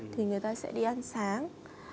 thì người ta sẽ đi ăn sáng